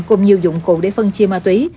cùng nhiều dụng cụ để phân chia ma túy